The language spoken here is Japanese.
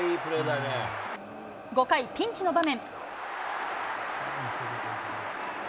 ５回、ピンチの場面。